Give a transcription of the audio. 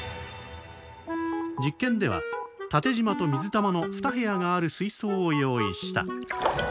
実験では縦じまと水玉の２部屋がある水槽を用意した。